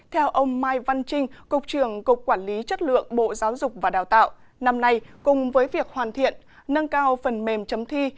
theo ông mai văn trinh cục trưởng cục quản lý chất lượng bộ giáo dục và đào tạo năm nay cùng với việc hoàn thiện nâng cao phần mềm chấm thi